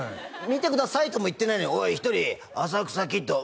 見てくださいとも言ってないのに「おいひとり「浅草キッド」